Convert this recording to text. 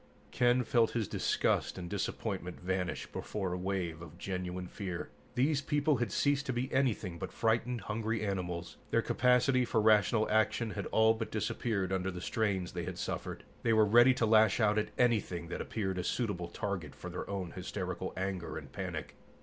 Ken felt his disgust and disappointment vanish before a wave of genuine fear. These people had ceased to be anything but frightened, hungry animals. Their capacity for rational action had all but disappeared under the strains they had suffered. They were ready to lash out at anything that appeared a suitable target for their own hysterical anger and panic.